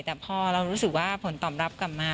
แต่พอเรารู้สึกว่าผลตอบรับกลับมา